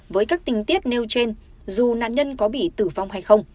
với các tình tiết nêu trên dù nạn nhân có bị tử vong hay không